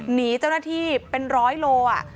หนีเจ้าหน้าที่เป็นร้อยโล